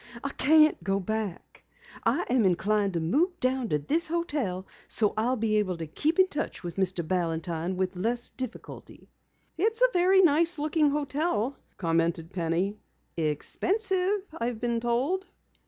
I can't go back. I am inclined to move down to this hotel so I'll be able to keep in touch with Mr. Balantine with less difficulty." "It's a very nice looking hotel," commented Penny. "Expensive, I've been told."